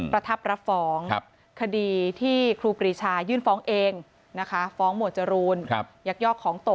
ประทับระฟร่องคดีที่ครูปริชายื่นฟ้องเอง